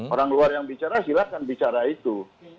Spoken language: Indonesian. orang luar yang bicara silakan bicara itu